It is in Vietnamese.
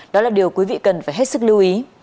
đó là điều quý vị cần phải hết sức lưu ý